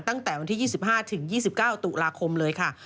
ตั้งแต่วันที่๒๕๒๙ตุลาคมเลยค่ะ